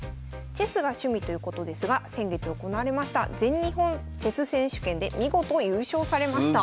チェスが趣味ということですが先月行われました全日本チェス選手権で見事優勝されました。